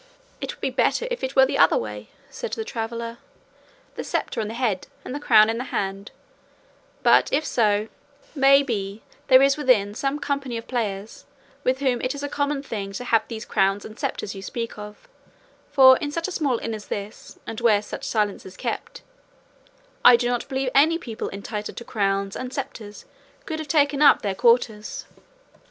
"It would be better if it were the other way," said the traveller, "the sceptre on the head and the crown in the hand; but if so, may be there is within some company of players, with whom it is a common thing to have those crowns and sceptres you speak of; for in such a small inn as this, and where such silence is kept, I do not believe any people entitled to crowns and sceptres can have taken up their quarters."